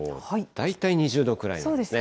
大体２０度ぐらいなんですね。